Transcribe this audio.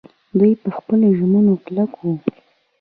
دوی په خپلو ژمنو کلک وو.